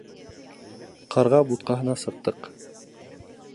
Ҡарға бутҡаһына сыҡтыҡ